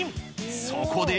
そこで。